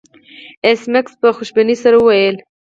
ایس میکس په خوشبینۍ سره وویل